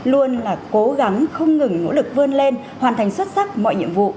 luôn là cố gắng không ngừng nỗ lực vươn lên hoàn thành xuất sắc mọi nhiệm vụ